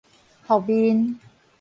伏面